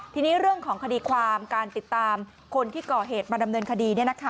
ทีนี้เรื่องของคดีความการติดตามคนที่ก่อเหตุมาดำเนินคดี